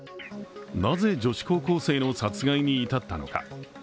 なぜ女子高校生の殺害に至ったのか。